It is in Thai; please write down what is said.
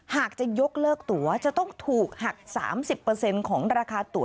หากจะยกเลิกตัวจะต้องถูกหัก๓๐ของราคาตัว